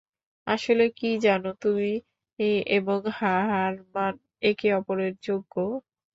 আসলে কি জানো, তুমি এবং হারমান একে অপরের যোগ্য।